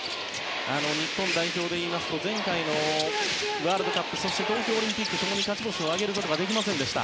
日本代表でいいますと前回のワールドカップそして東京オリンピックで共に勝ち星を挙げることができませんでした。